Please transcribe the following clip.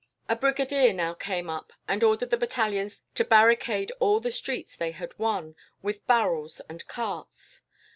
"A brigadier now came up, and ordered the battalions to barricade all the streets they had won, with barrels and carts.